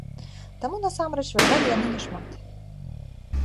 Таму насамрэч ваявалі яны няшмат.